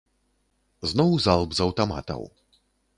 Зноў залп з аўтаматаў.